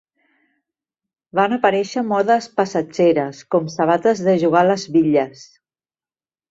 Van aparèixer modes passatgeres com sabates de jugar a les bitlles.